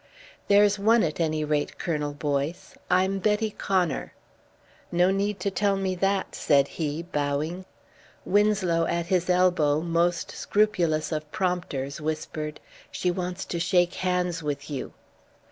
"There's one at any rate, Colonel Boyce. I'm Betty Connor " "No need to tell me that," said he, bowing. Winslow, at his elbow, most scrupulous of prompters, whispered: "She wants to shake hands with you."